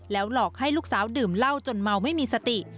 หลอกให้ลูกสาวดื่มเหล้าจนเมาไม่มีสติ